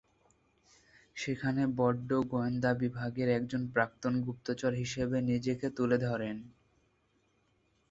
সেখানে বন্ড গোয়েন্দা বিভাগের একজন প্রাক্তন গুপ্তচর হিসেবে নিজেকে তুলে ধরেন।